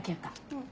うん。